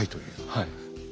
はい。